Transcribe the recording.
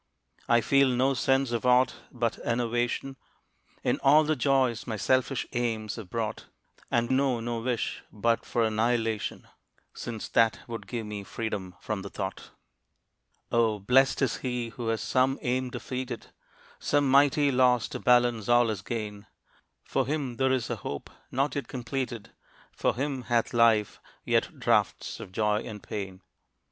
I feel no sense of aught but enervation In all the joys my selfish aims have brought, And know no wish but for annihilation, Since that would give me freedom from the thought. Oh, blest is he who has some aim defeated; Some mighty loss to balance all his gain. For him there is a hope not yet completed; For him hath life yet draughts of joy and pain.